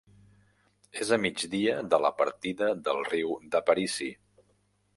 És a migdia de la partida del Riu d'Aparici.